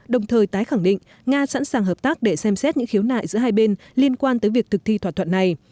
đồng thời tái khẳng định nga sẵn sàng hợp tác để xem xét những khiếu nại giữa hai bên liên quan tới việc thực thi thỏa thuận này